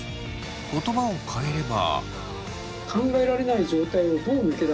言葉を変えれば。